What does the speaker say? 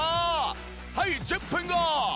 はい１０分後！